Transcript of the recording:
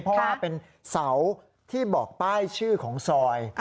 เพราะว่าเป็นเสาที่บอกป้ายชื่อของซอย